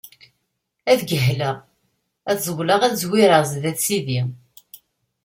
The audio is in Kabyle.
Ad geḥleɣ, ad ẓewleɣ ad zwireɣ sdat Sidi.